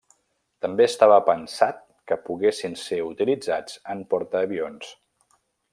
També estava pensat que poguessin ser utilitzats en portaavions.